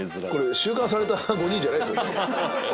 収監された５人じゃないですよね。